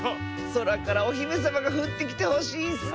そらからおひめさまがふってきてほしいッスね！